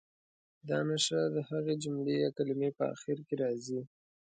دا نښه د هغې جملې یا کلمې په اخر کې راځي.